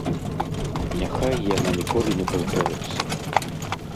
Няхай яна ніколі не паўторыцца!